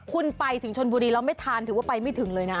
คุณไปถึงชนบุรีแล้วไม่ทานถือว่าไปไม่ถึงเลยนะ